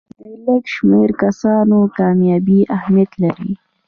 د لږ شمېر کسانو کامیابي اهمیت لري.